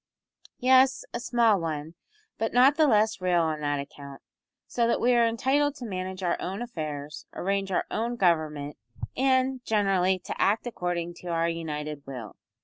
"Yes, a small one, but not the less real on that account, so that we are entitled to manage our own affairs, arrange our own government, and, generally, to act according to our united will.